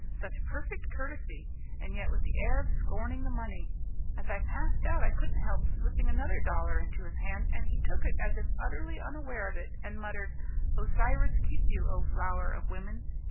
Such perfect courtesy, and yet with the air of scorning the money. As I passed out I couldn't help slipping another dollar into his hand, and he took it as if utterly unaware of it, and muttered, 'Osiris keep you, O flower of women!'